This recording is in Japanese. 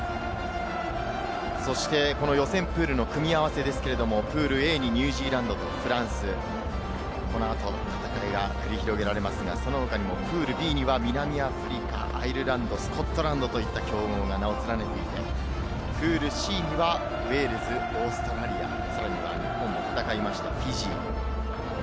そしてこの予選プールの組み合わせですけれど、プールＡにニュージーランドとフランス、このあと戦いが繰り広げられますが、その他にもプールＢには南アフリカ、アイルランド、スコットランドといった強豪が軒を連ねていて、プールＣにはウェールズ、オーストラリア、さらには日本も戦いました、フィジー。